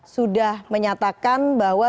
sudah menyatakan bahwa